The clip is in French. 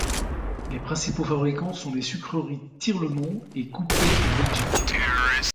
Les principaux fabricants sont les sucreries Tirlemont et Couplet en Belgique.